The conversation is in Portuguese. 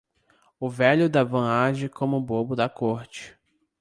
O velho da van age como bobo da corte